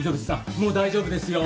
もう大丈夫ですよ。